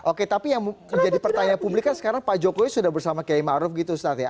oke tapi yang menjadi pertanyaan publik kan sekarang pak jokowi sudah bersama kiai ma'ruf gitu ustaz ya